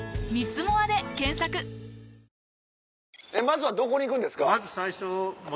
まずはどこに行くんですか？